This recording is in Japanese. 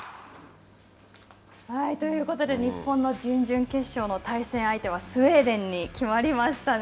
ということで、日本の準々決勝の対戦相手はスウェーデンに決まりましたね。